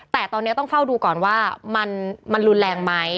แต่ตอนนี้ต้องเฝ้าดูก่อนว่ามันรุนแรงไหม